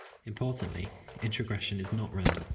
Importantly, the introgression is not random.